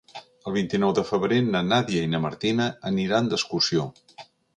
El vint-i-nou de febrer na Nàdia i na Martina aniran d'excursió.